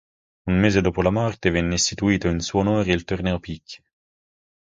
Un mese dopo la morte venne istituto in suo onore il Torneo Picchi.